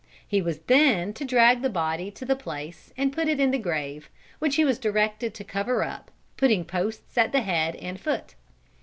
He was then to drag the body to the place and put it in the grave, which he was directed to cover up, putting posts at the head and foot.